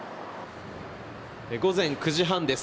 午前９時半です。